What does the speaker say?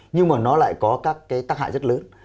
nhưng mà nó lại có các cái tác hại rất lớn